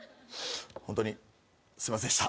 ホントにすいませんでした。